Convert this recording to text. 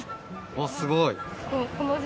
あっすごい！